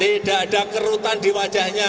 tidak ada kerutan di wajahnya